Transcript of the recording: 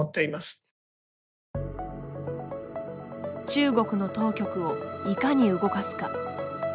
中国の当局をいかに動かすか。